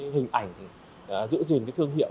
hình ảnh giữ gìn thương hiệu